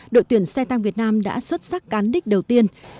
đội tuyển xe tăng việt nam đã xuất sắc cán đích đầu tiên